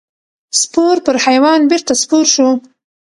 سپور پر حیوان بېرته سپور شو.